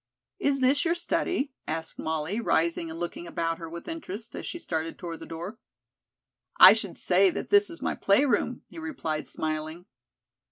"Is this your study?" asked Molly, rising and looking about her with interest, as she started toward the door. "I should say that this was my play room," he replied, smiling.